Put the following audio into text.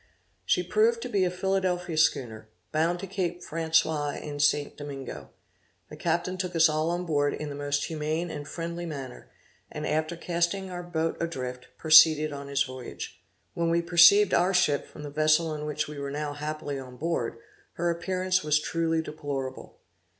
She proved to be a Philadelphia schooner, bound to Cape Francois, in St. Domingo. The captain took us all on board in the most humane and friendly manner, and after casting our boat adrift, proceeded on his voyage. When we perceived our ship from the vessel on which we were now happily on board, her appearance was truly deplorable.